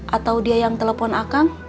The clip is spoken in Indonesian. atau dia yang telepon akang